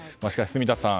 住田さん